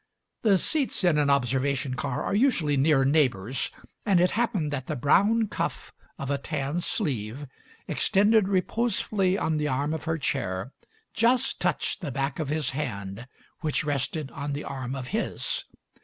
The seats in an observation car are usually near neighbours, and it happened that the brown cuff of a tan sleeve, extended reposefully on the arm of her chair, just touched the back of his hand, which rested on the arm of his.